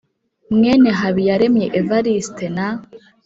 mwene Habiyaremye Evariste na